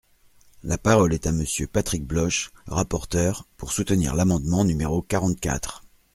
La parole est à Monsieur Patrick Bloche, rapporteur, pour soutenir l’amendement numéro quarante-quatre.